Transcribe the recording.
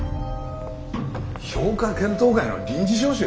評価検討会の臨時招集？